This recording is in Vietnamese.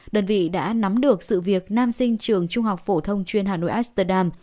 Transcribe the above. đơn vị đã nắm được sự việc nam sinh trường trung học phổ thông chuyên hà nội asterdam